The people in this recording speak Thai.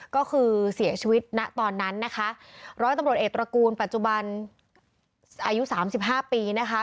ก็คือเสียชีวิตณตอนนั้นนะคะร้อยตำรวจเอกตระกูลปัจจุบันอายุสามสิบห้าปีนะคะ